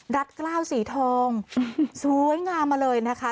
กล้าวสีทองสวยงามมาเลยนะคะ